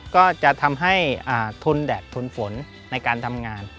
ก็จะทำให้ทุนแดดทุนฝนในการทำงาน